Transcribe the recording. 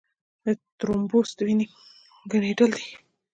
د ترومبوس د وینې ګڼېدل دي.